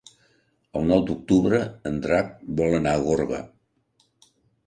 El nou d'octubre en Drac vol anar a Gorga.